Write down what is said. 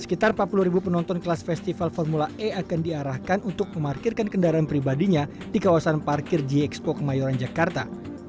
sekitar empat puluh ribu penonton kelas festival formula e akan diarahkan untuk memarkirkan kendaraan pribadinya di kawasan parkir gxpo kemayoran jakarta